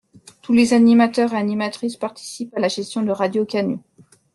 Tous les animateurs et animatrices participent à la gestion de Radio Canut.